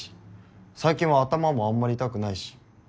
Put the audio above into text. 最近は頭もあんまり痛くないし。